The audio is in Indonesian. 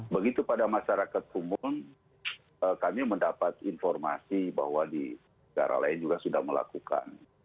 begitu pada masyarakat umum kami mendapat informasi bahwa di negara lain juga sudah melakukan